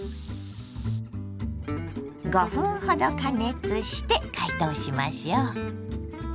５分ほど加熱して解凍しましょう。